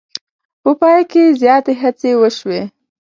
په پای کې زیاتې هڅې وشوې.